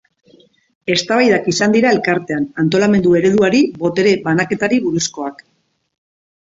Eztabaidak izan dira Elkartean, antolamendu ereduari, botere banaketari buruzkoak.